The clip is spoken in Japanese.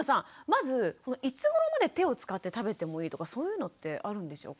まずいつごろまで手を使って食べてもいいとかそういうのってあるんでしょうか？